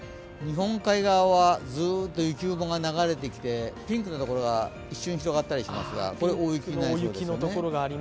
日本海側はずっと雪雲が流れてきて天気のところが一瞬、広がったりしますが。